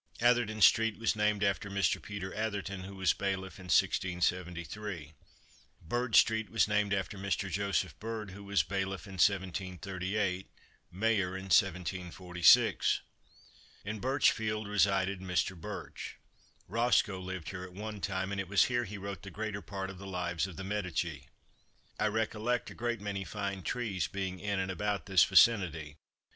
Atherton street was named after Mr. Peter Atherton, who was bailiff, in 1673. Bird street was named after Mr. Joseph Bird, who was bailiff, in 1738; mayor in 1746. In Birch field resided Mr. Birch. Roscoe lived here at one time, and it was here he wrote the greater part of the lives of "The Medici." I recollect a great many fine trees being in and about this vicinity.